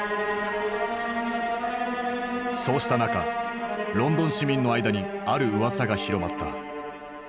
そうした中ロンドン市民の間にあるうわさが広まった。